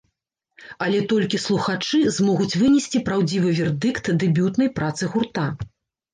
Але толькі слухачы змогуць вынесці праўдзівы вердыкт дэбютнай працы гурта.